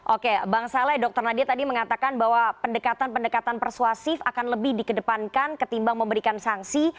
oke bang saleh dr nadia tadi mengatakan bahwa pendekatan pendekatan persuasif akan lebih dikedepankan ketimbang memberikan sanksi